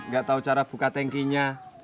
ga tau cara buka tankinya